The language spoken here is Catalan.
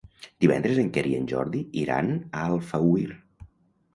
Divendres en Quer i en Jordi iran a Alfauir.